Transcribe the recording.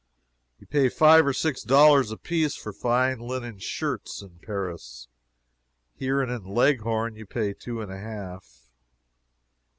You pay five and six dollars apiece for fine linen shirts in Paris; here and in Leghorn you pay two and a half.